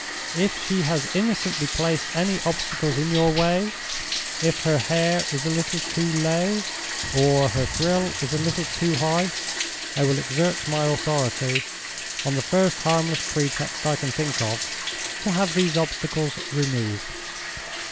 If she has innocently placed any obstacles in your way, if her hair is a little too low, or her frill is a little too high, I will exert my authority, on the first harmless pretext I can think of, to have those obstacles removed.